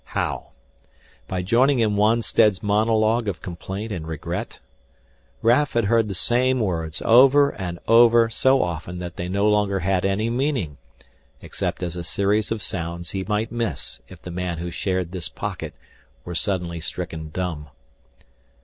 How? By joining in Wonstead's monologue of complaint and regret? Raf had heard the same words over and over so often that they no longer had any meaning except as a series of sounds he might miss if the man who shared this pocket were suddenly stricken dumb.